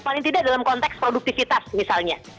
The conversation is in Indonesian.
paling tidak dalam konteks produktivitas misalnya